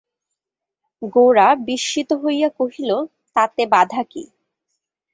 গোরা বিস্মিত হইয়া কহিল, তাতে বাধা কী?